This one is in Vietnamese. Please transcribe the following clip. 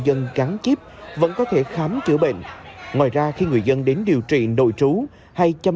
dân gắn chip vẫn có thể khám chữa bệnh ngoài ra khi người dân đến điều trị nội trú hay chăm